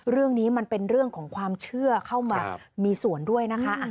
เรื่องนี้มันเป็นเรื่องของความเชื่อเข้ามามีส่วนด้วยนะคะ